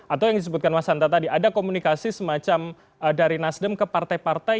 atau yang disebutkan mas hanta tadi ada komunikasi semacam dari nasdem ke partai partai